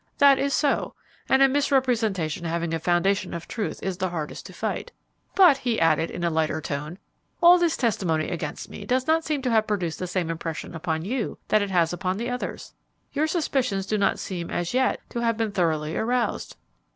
"That is so. And a misrepresentation having a foundation of truth is the hardest to fight. But," he added, in a lighter tone, "all this testimony against me does not seem to have produced the same impression upon you that it has upon the others. Your suspicions do not seem, as yet, to have been very thoroughly aroused."